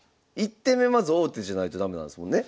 １手目まず王手じゃないと駄目なんですもんね。